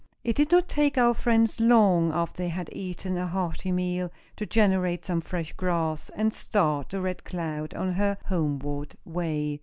It did not take our friends long, after they had eaten a hearty meal, to generate some fresh gas, and start the Red Cloud on her homeward way.